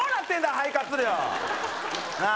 肺活量なあ